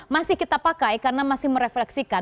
masih kita pakai karena masih merefleksikan